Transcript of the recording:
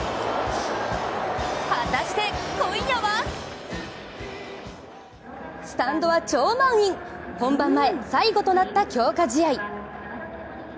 果たして、今夜はスタンドは超満員、本番前最後となった強化試合。